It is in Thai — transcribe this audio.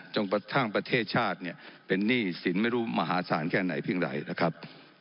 จงท่างประเทศชาติเป็นนี่สินไม่รู้มหาศาลแค่ไหนเพียงไหนนะครับ